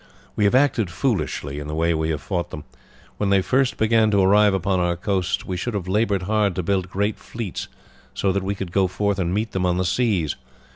We have acted foolishly in the way we have fought them. When they first began to arrive upon our coasts we should have laboured hard to build great fleets, so that we could go forth and meet them on the seas.